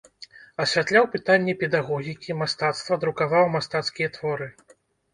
Асвятляў пытанні педагогікі, мастацтва, друкаваў мастацкія творы.